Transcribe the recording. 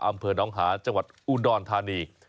อำเภอน้องหาจังหวัดอุดรธานี